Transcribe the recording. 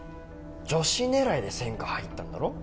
女子狙いで専科入ったんだろ？